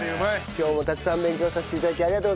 今日もたくさん勉強させて頂きありがとうございました！